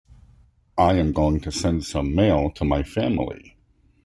I am going to send some mail to my family.